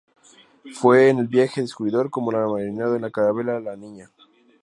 Fue en el viaje descubridor, como marinero en la carabela "la Niña".